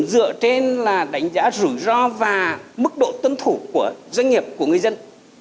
dựa trên là đánh giá rủi ro và mức độ tuân thủ của doanh nghiệp của người dân